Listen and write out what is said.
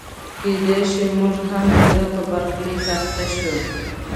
کېدای شي موږ هم د ده په برخلیک اخته شو.